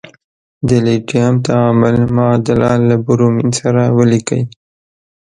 د لیتیم تعامل معادله له برومین سره ولیکئ.